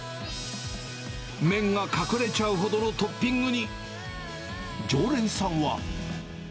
麺が隠れちゃうほどのトッピングに、常連さんは。